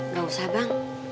gak usah bang